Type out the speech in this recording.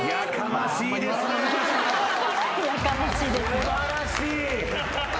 素晴らしい。